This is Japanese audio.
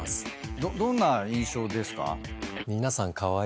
どんな印象ですか？